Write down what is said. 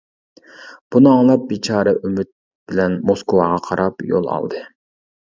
بۇنى ئاڭلاپ بىچارە ئۈمىد بىلەن موسكۋاغا قاراپ يول ئالدى.